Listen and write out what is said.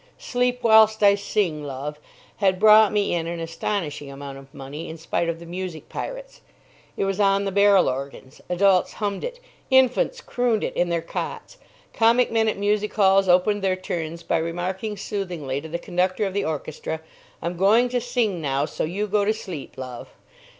"Sleep whilst I Sing, Love," had brought me in an astonishing amount of money, in spite of the music pirates. It was on the barrel organs. Adults hummed it. Infants crooned it in their cots. Comic men at music halls opened their turns by remarking soothingly to the conductor of the orchestra, "I'm going to sing now, so you go to sleep, love."